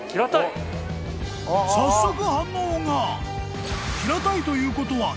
［早速反応が！］